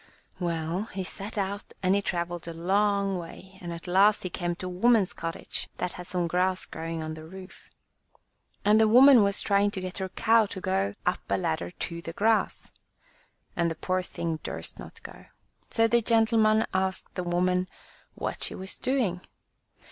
Well, he set out, and he travelled a long way, and at last he came to a woman's cottage that had some grass growing on the roof. And the woman was trying to get her cow to go up a ladder to the grass, and the poor thing durst not go. So the gentleman asked the woman what she was doing.